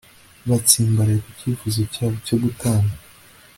batsimbaraye ku cyifuzo cyabo cyo gutana